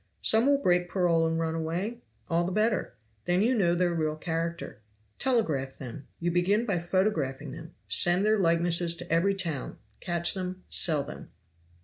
"Some will break parole and run away? All the better. Then you know their real character. Telegraph them. You began by photographing them send their likenesses to every town catch them cell them.